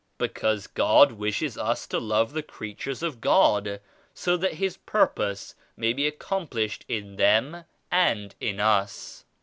Because God wishes us to love the creatures of God so that His Pur pose may be accomplished in them and in us.